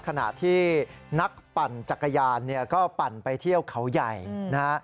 ขณะที่นักปั่นจักรยานเนี่ยก็ปั่นไปเที่ยวเขาใหญ่นะฮะ